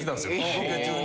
ロケ中に。